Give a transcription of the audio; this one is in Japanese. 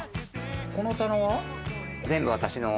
この棚は？